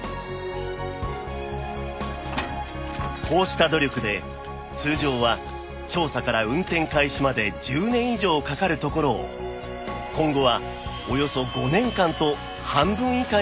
こうした努力で通常は調査から運転開始まで１０年以上かかるところを今後はおよそ５年間と半分以下にできるといいます